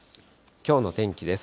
きょうの天気です。